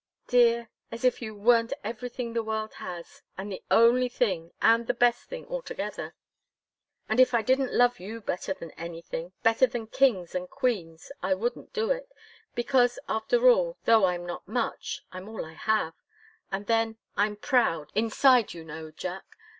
"Dear as if you weren't everything the world has, and the only thing and the best thing altogether!" "And if I didn't love you better than anything better than kings and queens I wouldn't do it. Because, after all, though I'm not much, I'm all I have. And then I'm proud inside, you know, Jack.